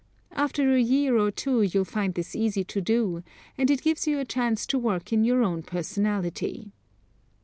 After a year or two you'll find this easy to do, and it gives you a chance to work in your own personality.